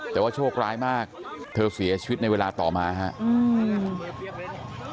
แต่ว่าโชคร้ายมากเธอเสียชีวิตในเวลาต่อมาครับ